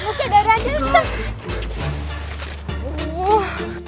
lo sedar aja cinta